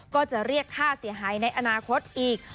ก็จะเรียกค่าเสียหายในอนาคตอีก